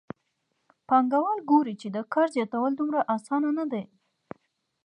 پانګوال ګوري چې د کار زیاتول دومره اسانه نه دي